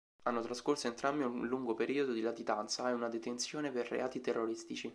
Hanno trascorso entrambi un lungo periodo di latitanza e una detenzione per reati terroristici.